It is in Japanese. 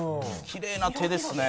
きれいな手ですね。